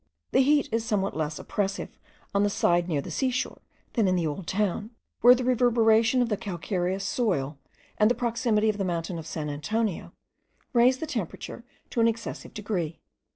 The heat is somewhat less oppressive on the side near the seashore, than in the old town, where the reverberation of the calcareous soil, and the proximity of the mountain of San Antonio, raise the temperature to an excessive degree.